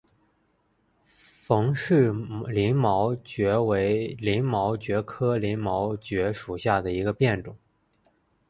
冯氏鳞毛蕨为鳞毛蕨科鳞毛蕨属下的一个变种。